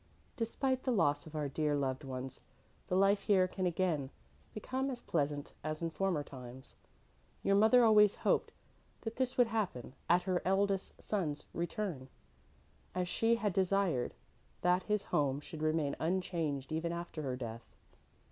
Despite the loss of our dear loved ones, the life here can again become as pleasant as in former times. Your mother always hoped that this would happen at her eldest son's return, as she had desired that his home should remain unchanged even after her death.